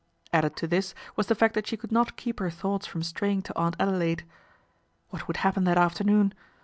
Added to this was the fact that she could not keep her thoughts from straying to Aunt Adelaide. What would happen that afternoon